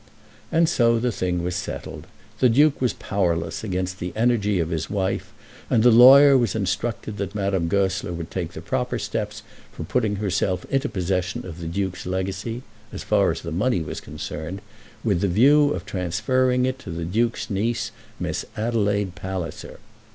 And so the thing was settled. The Duke was powerless against the energy of his wife, and the lawyer was instructed that Madame Goesler would take the proper steps for putting herself into possession of the Duke's legacy, as far as the money was concerned, with the view of transferring it to the Duke's niece, Miss Adelaide Palliser.